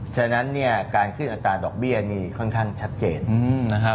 ฉะนั้นเนี่ยการขึ้นอัตราดอกเบี้ยนี่ค่อนข้างชัดเจนนะครับ